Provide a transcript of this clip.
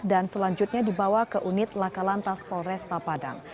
dan selanjutnya dibawa ke unit lakalan tas polresta padang